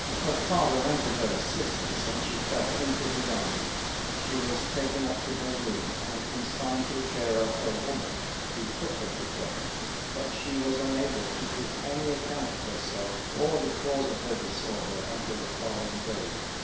Her father ran to her assistance, and she fell into his arms. She was taken up to her room, and consigned to the care of her woman, who put her to bed; but she was unable to give any account of herself, or the cause of her disorder, until the following day.